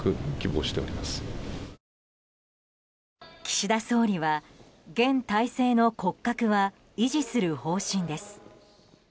岸田総理は現体制の骨格は維持する方針です。